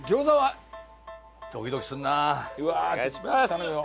頼むよ。